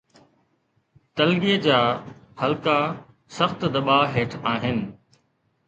تلگي جا حلقا سخت دٻاءُ هيٺ آهن.